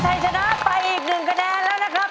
ขวาชัยชนะไปอีกหนึ่งคะแนนแล้วนะครับ